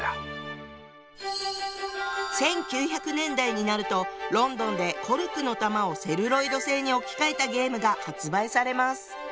１９００年代になるとロンドンでコルクの球をセルロイド製に置き換えたゲームが発売されます。